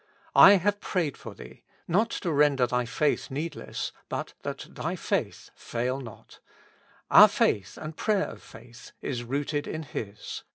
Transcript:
'' I have prayed for thee," not to render thy faith needless, but "that thy faith fail not :'' our faith and prayer of faith is rooted in His.